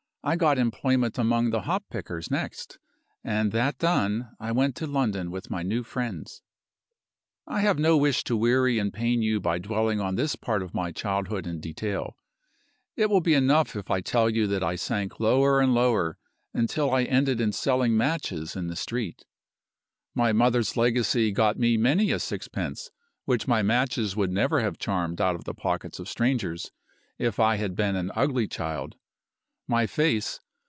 I got employment among the hop pickers next; and that done, I went to London with my new friends. "I have no wish to weary and pain you by dwelling on this part of my childhood in detail. It will be enough if I tell you that I sank lower and lower until I ended in selling matches in the street. My mother's legacy got me many a sixpence which my matches would never have charmed out of the pockets of strangers if I had been an ugly child. My face.